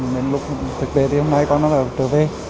đến lúc thực tế thì hôm nay con nó đã trở về